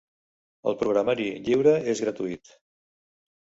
El programari lliure és gratuït.